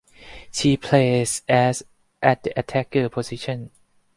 She plays as at the attacker position.